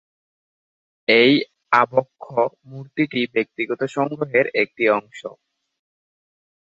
এই আবক্ষ মূর্তিটি ব্যক্তিগত সংগ্রহের একটি অংশ।